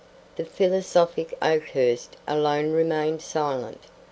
The philosophic Oakhurst alone remained silent.